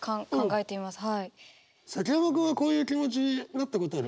崎山君はこういう気持ちなったことある？